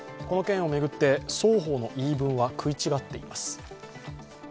この件を巡って、双方の言い分は食い違っています。